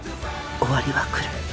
終わりは来る。